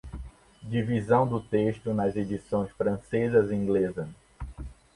Divisão do texto nas edições francesa e inglesa